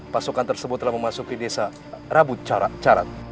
pasukan tersebut telah memasuki desa rabu carat